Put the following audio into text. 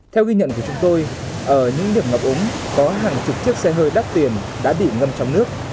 theo ghi nhận của chúng tôi ở những điểm ngập ống có hàng chục chiếc xe hơi đắt tiền đã bị ngâm trong nước